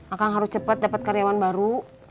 akang harus cepat dapat karyawan baru